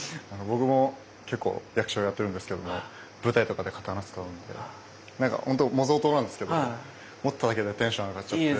僕も結構役者をやってるんですけども舞台とかで刀使うんでなんかほんと模造刀なんですけど持っただけでテンション上がっちゃって。